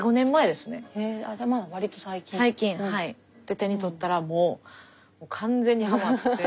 手に取ったらもう完全にハマって。